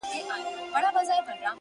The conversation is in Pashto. راسئ تر بانډارو علمی بحثونه ډیر کړو